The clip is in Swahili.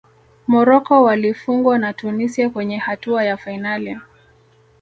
morocco walifungwa na tunisia kwenye hatua ya fainali